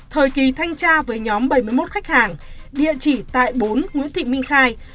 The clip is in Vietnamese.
thời kỳ thanh tra với nhóm bảy mươi một khách hàng địa chỉ tại bốn nguyễn thị minh khai